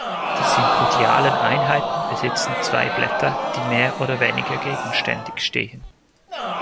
Die sympodialen Einheiten besitzen zwei Blätter, die mehr oder weniger gegenständig stehen.